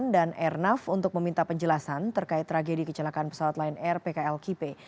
dan airnav untuk meminta penjelasan terkait tragedi kecelakaan pesawat lion air pkl kipe